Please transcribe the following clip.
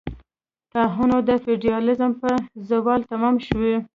طاعون د فیوډالېزم په زوال تمام شو.